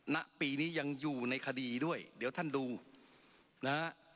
ณปีนี้ยังอยู่ในคดีด้วยเดี๋ยวท่านดูนะฮะ